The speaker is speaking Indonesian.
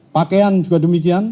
pakaian juga demikian